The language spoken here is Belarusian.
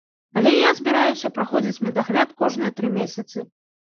Але я збіраюся праходзіць медагляд кожныя тры месяцы.